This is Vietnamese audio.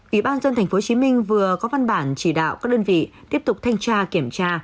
ủy ban dân tp hcm vừa có văn bản chỉ đạo các đơn vị tiếp tục thanh tra kiểm tra